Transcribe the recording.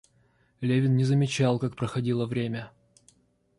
Левин не замечал, как проходило время.